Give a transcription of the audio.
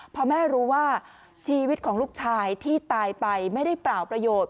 พอแม่รู้ว่าชีวิตของลูกชายที่ตายไปไม่ได้เปล่าประโยชน์